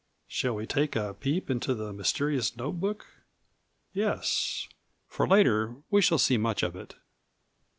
Shall we take a peep into that mysterious note book? Yes, for later we shall see much of it.